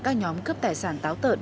các nhóm cướp tài sản táo tợn